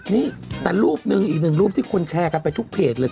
นี่แต่รูปหนึ่งอีกหนึ่งรูปที่คนแชร์กันไปทุกเพจเลย